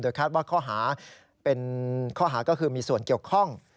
โดยคาดว่าข้อหาก็คือมีส่วนเกี่ยวข้อง